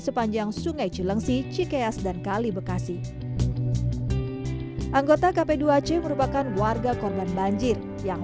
sepanjang sungai cilengsi cikeas dan kali bekasi anggota kp dua c merupakan warga korban banjir yang